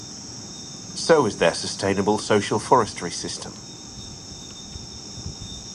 So is their sustainable social forestry system.